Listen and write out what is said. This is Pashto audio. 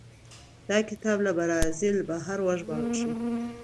دا کتاب له برازیل بهر وژباړل شو.